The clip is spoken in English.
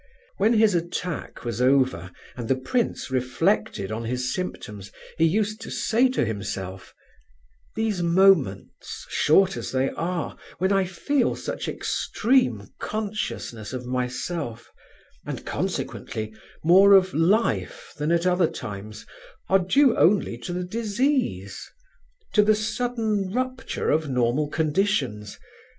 When his attack was over, and the prince reflected on his symptoms, he used to say to himself: "These moments, short as they are, when I feel such extreme consciousness of myself, and consequently more of life than at other times, are due only to the disease—to the sudden rupture of normal conditions.